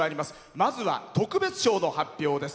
まずは特別賞の発表です。